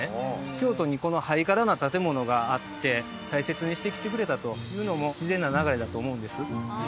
京都にこのハイカラな建物があって大切にしてきてくれたというのも自然な流れだと思うんです